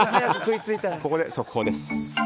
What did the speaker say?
ここで速報です。